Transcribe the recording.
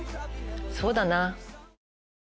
そうだな。